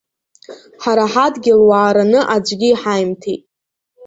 Ҳара ҳадгьыл уаараны аӡәгьы иҳаимҭеит.